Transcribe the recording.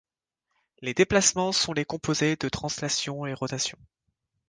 Les déplacements sont les composés de translations et rotations.